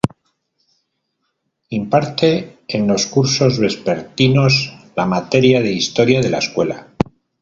Imparte, en los cursos vespertinos, la materia de Historia de la Escuela.